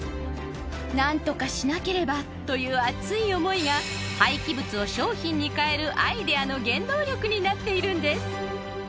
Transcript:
何とかしなければという熱い思いが廃棄物を商品に変えるアイデアの原動力になっているんです！